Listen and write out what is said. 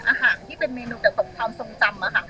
อาหารที่เป็นเมนูแบบของความทรงจำ